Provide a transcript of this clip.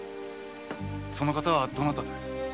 その方はどなたで？